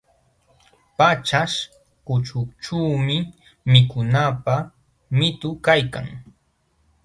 Paćhaśhkućhućhuumi mikunapaq mitu kaykan.